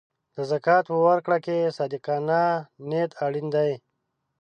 د زکات په ورکړه کې صادقانه نیت اړین دی.